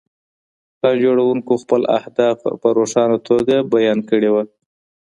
پلان جوړوونکو خپل اهداف په روښانه توګه بیان کړي وو.